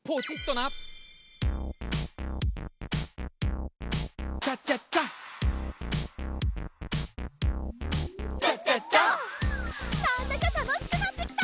なんだかたのしくなってきた！